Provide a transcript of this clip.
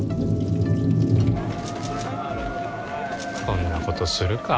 こんなことするか？